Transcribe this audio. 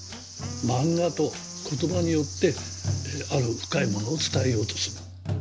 漫画と言葉によってある深いものを伝えようとする。